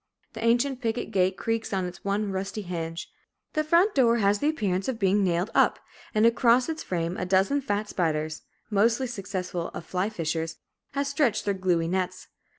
The ancient picket gate creaks on its one rusty hinge. The front door has the appearance of being nailed up, and across its frame a dozen fat spiders, most successful of fly fishers, have stretched their gluey nets.